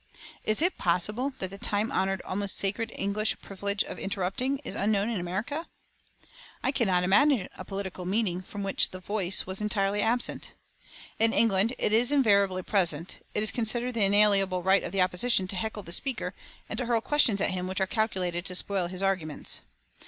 Is it possible that the time honoured, almost sacred English privilege of interrupting is unknown in America? I cannot imagine a political meeting from which "the Voice" was entirely absent. In England it is invariably present. It is considered the inalienable right of the opposition to heckle the speaker and to hurl questions at him which are calculated to spoil his arguments.